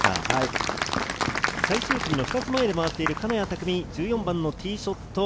最終組を２つ前で回っている金谷拓実、１４番のティーショット。